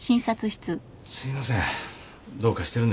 すいません。